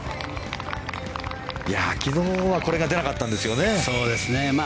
昨日はこれが出なかったんですよね。